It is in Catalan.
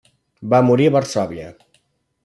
Va morir a Varsòvia.